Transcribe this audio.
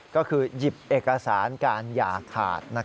ก็คือหยิบเอกสารการอย่าขาด